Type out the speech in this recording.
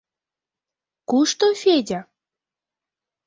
Кушто Федя?